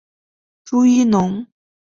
朱一龙